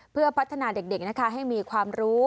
เพื่อพัฒนาเด็กให้มีความรู้